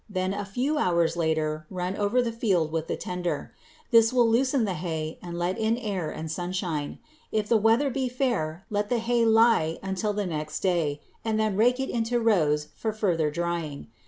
Then a few hours later run over the field with the tedder. This will loosen the hay and let in air and sunshine. If the weather be fair let the hay lie until the next day, and then rake it into rows for further drying.